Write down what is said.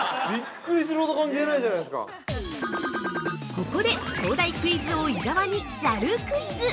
◆ここで、東大クイズ王・伊沢にＪＡＬクイズ。